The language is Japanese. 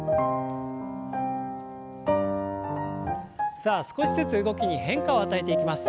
さあ少しずつ動きに変化を与えていきます。